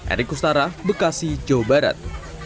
erik kustara bekasi jawa barat